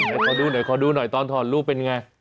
ให้คอดูหน่อยคอดูหน่อยก็ตอนถอดรูปเป็นอย่างไร